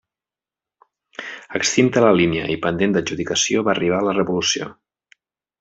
Extinta la línia i pendent d'adjudicació va arribar la revolució.